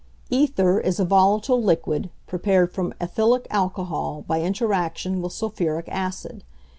=Ether= is a volatile liquid prepared from ethylic alcohol by interaction with sulphuric acid.